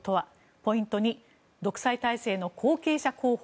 ポイント２独裁体制の後継者候補？